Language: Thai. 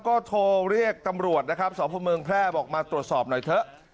ก็โทรเรียกตำรวจนะครับสพเมืองแพร่บอกมาตรวจสอบหน่อยเถอะ